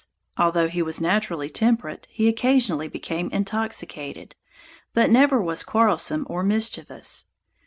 Although he was naturally temperate, he occasionally became intoxicated; but never was quarrelsome or mischievous.